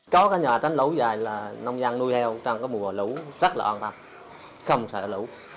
có cái nhà tránh lũ dài là nông dân nuôi heo trong cái mùa lũ rất là an tâm không xả lũ